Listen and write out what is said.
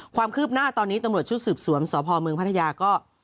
ความคืบหน้าตอนนี้ตำรวจชุดสืบสวนสพเมืองพัทยาก็